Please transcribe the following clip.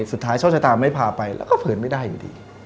สุดท้ายโชคชัยตาไม่พาไปแล้วก็ฝืนไม่ได้อยู่ดี